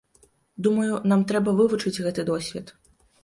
Думаю, нам трэба вывучыць гэты досвед.